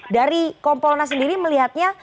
dari kompolnas sendiri melihatnya